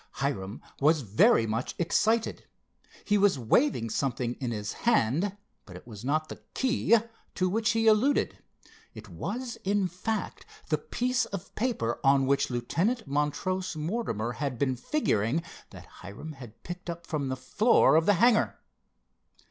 Hiram was very much excited. He was waving something in his hand, but it was not the "key" to which he alluded. It was, in fact, the piece of paper on which Lieutenant Montrose Mortimer had been figuring that Hiram had picked up from the floor of the hangar.